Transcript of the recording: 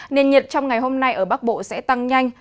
nền nhiệt trong ngày hôm nay ở bắc bộ sẽ tăng nhanh